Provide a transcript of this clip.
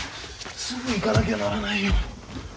すぐ行かなきゃならないよ。